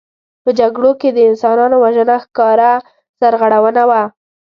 په جګړو کې د انسانانو وژنه ښکاره سرغړونه وه.